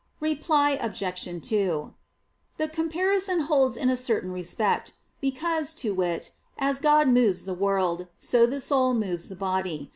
Reply Obj. 2: The comparison holds in a certain respect: because, to wit, as God moves the world, so the soul moves the body.